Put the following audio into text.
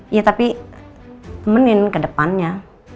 iya tapi nemenin ke depannya